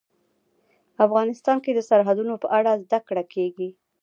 افغانستان کې د سرحدونه په اړه زده کړه کېږي.